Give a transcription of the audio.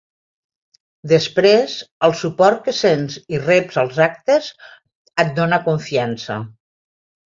Després, el suport que sents i reps als actes et dóna confiança.